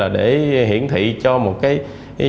để hiển thị cho một cái